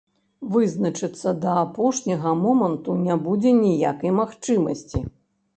Вызначыцца да апошняга моманту не будзе ніякай магчымасці.